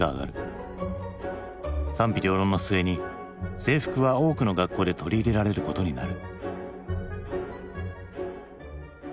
賛否両論の末に制服は多くの学校で取り入れられることになる。